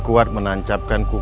gua mau ke tempat tinggi